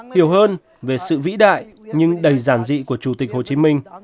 hiểu hơn về sự vĩ đại nhưng đầy giản dị của chủ tịch hồ chí minh